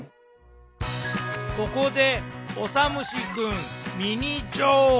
ここでオサムシくんミニ情報！